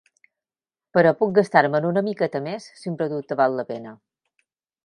Però puc gastar-me'n una miqueta més, si un producte val la pena.